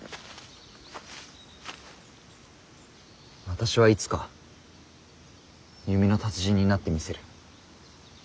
私はいつか弓の達人になってみせる。